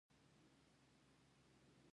کیفیت ته پام وکړئ